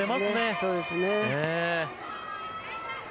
そうですね。